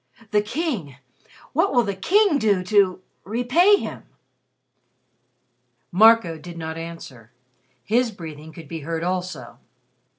"The King what will the King do to repay him?" Marco did not answer. His breathing could be heard also.